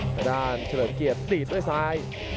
ทางด้านเฉลิมเกียรติตีดด้วยซ้าย